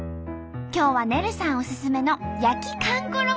今日はねるさんおすすめの焼きかんころ